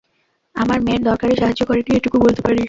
আমার মেয়ের দরকারে সাহায্য করেনি, এটুকু বলতে পারি।